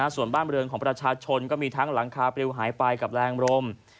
ส่วนบ้านบริเวณของประชาชนก็มีทั้งหลังคาปริวหายไปกับแรงรม